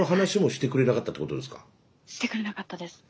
してくれなかったです。